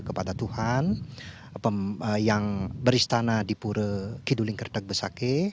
kepada tuhan yang beristana di purwabesaki